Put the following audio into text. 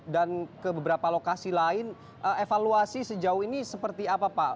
dan ke beberapa lokasi lain evaluasi sejauh ini seperti apa pak